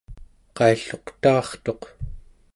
qailluqtaartuq